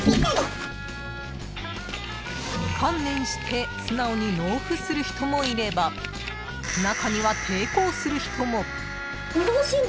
［観念して素直に納付する人もいれば中には抵抗する人も］